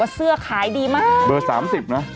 เบอร์๓๐นะ